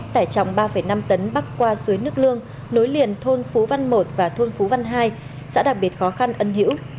tải trọng ba năm tấn bắc qua suối nước lương nối liền thôn phú văn i và thôn phú văn ii sẽ đặc biệt khó khăn ân hữu